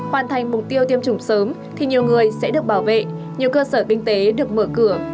hoàn thành mục tiêu tiêm chủng sớm thì nhiều người sẽ được bảo vệ nhiều cơ sở kinh tế được mở cửa